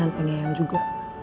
dan pengen yang juga